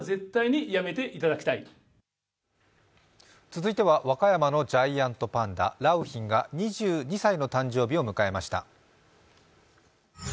続いては和歌山のジャイアントパンダ、良浜が２２歳の誕生日を迎えました。